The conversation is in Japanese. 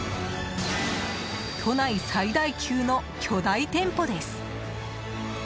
都内最大級の巨大店舗です。